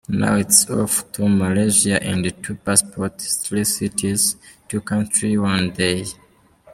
"Now it's off to Malaysia" and "Two passports, three cities, two countries, one day.